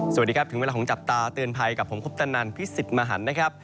สวัสดีครับถึงเวลาของจับตาเตือนภัยกับผมคุปตนันพิสิทธิ์มหันนะครับ